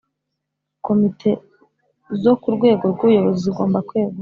Komitezo ku rwego rw buyobozi zigomba kwegura